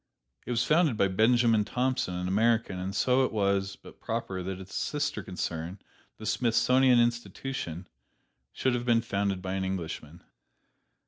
It was founded by Benjamin Thompson, an American, and so it was but proper that its sister concern, the Smithsonian Institution, should have been founded by an Englishman.